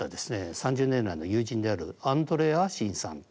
３０年来の友人であるアンドリー・アーシンさんと。